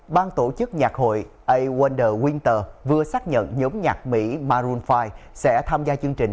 ban tổ chức nhạc hội a wonder winter vừa xác nhận nhóm nhạc mỹ maroon năm sẽ tham gia chương trình